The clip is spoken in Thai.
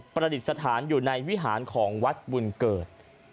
ประดิษฐานอยู่ในวิหารของวัดบุญเกิด